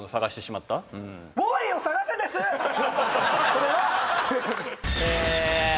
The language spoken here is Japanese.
それは！え。